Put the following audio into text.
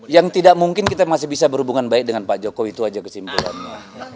yang tidak mungkin kita masih bisa berhubungan baik dengan pak jokowi itu aja kesimpulannya